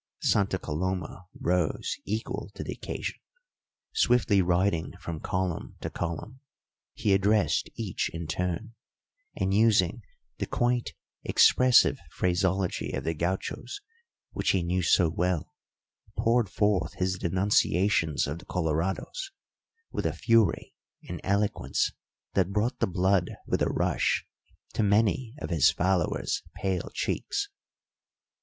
Santa Coloma rose equal to the occasion; swiftly riding from column to column, he addressed each in turn, and, using the quaint, expressive phraseology of the gauchos, which he knew so well, poured forth his denunciations of the Colorados with a fury and eloquence that brought the blood with a rush to many of his followers' pale cheeks.